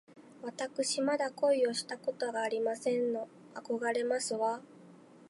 わたくしまだ恋をしたことがありませんの。あこがれますわ